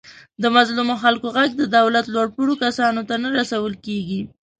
د مظلومو خلکو غږ د دولت لوپوړو کسانو ته نه ورسول کېږي.